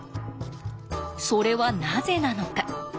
それはなぜなのか？